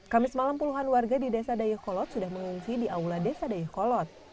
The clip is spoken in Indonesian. kamis malam puluhan warga di desa dayakolot sudah mengungsi di aula desa dayakolot